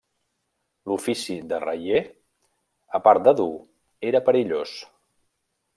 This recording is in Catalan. L'ofici de raier, a part de dur, era perillós.